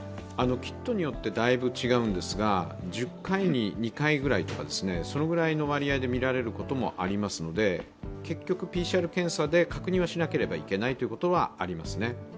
キットによってだいぶ違うんですが、１０回に２回くらいの割合でみられることもありますので結局ＰＣＲ検査で確認をしなければいけないということはありますね。